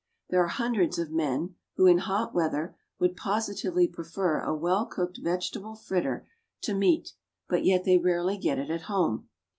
There are hundreds of men who, in hot weather, would positively prefer a well cooked vegetable fritter to meat, but yet they rarely get it at home.